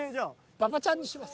馬場ちゃんにします。